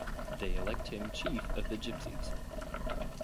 They elect him chief of the Gypsies.